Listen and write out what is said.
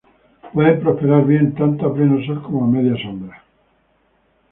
Pueden prosperar bien tanto a pleno sol como a media sombra.